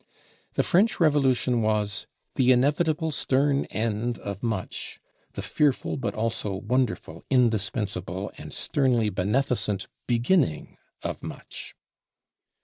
The French Revolution was "the inevitable stern end of much: the fearful but also wonderful, indispensable, and sternly beneficent beginning of much."